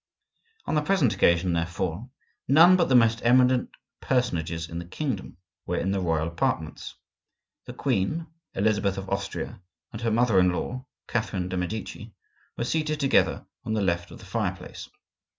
On the present occasion, therefore, none but the most eminent personages in the kingdom were in the royal apartments. The queen, Elizabeth of Austria, and her mother in law, Catherine de' Medici, were seated together on the left of the fireplace.